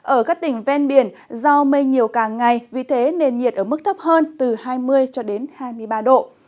ở các tỉnh ven biển do mây nhiều càng ngày vì thế nền nhiệt ở mức thấp hơn từ hai mươi cho đến hai mươi ba độ